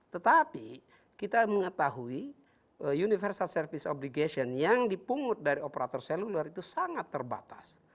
tetapi kita mengetahui universal service obligation yang dipungut dari operator seluler itu sangat terbatas